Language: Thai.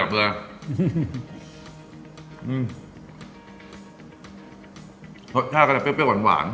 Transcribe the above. รสชาติก็จะเปรี้ยวหวาน